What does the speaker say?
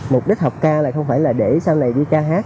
mục đích học ca là không phải là để sau này đi ca hát